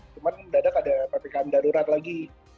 cuman dadak ada ppkm darurat lagi